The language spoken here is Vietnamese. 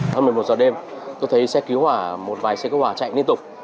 hơn một mươi một giờ đêm tôi thấy xe cứu hỏa một vài xe cứu hỏa chạy liên tục